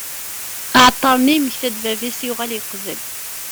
Aεeṭṭar-nni yemmekta-d bab-is, yuγal yeqbel.